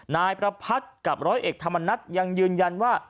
นายประพัทธ์กับร้อยเอกธรรมนัฐยังยืนยันว่า